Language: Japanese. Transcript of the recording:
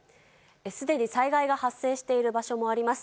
すでに災害が発生している場所もあります。